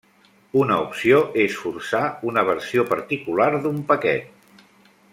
Una opció és forçar una versió particular d'un paquet.